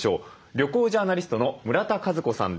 旅行ジャーナリストの村田和子さんです。